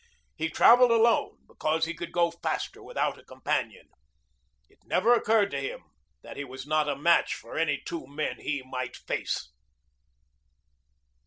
He traveled alone because he could go faster without a companion. It never occurred to him that he was not a match for any two men he might face.